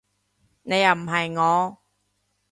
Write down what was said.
你又唔係我